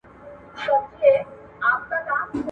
عملي سیاست ټول هغه سیاسي اعمال دي چي په ټولنه کي ترسره کيږي.